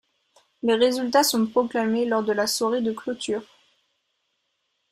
Les résultats sont proclamés lors de la soirée de clôture.